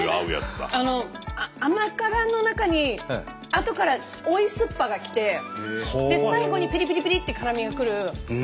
甘辛の中にあとから追いすっぱが来てで最後にピリピリピリって辛みが来る。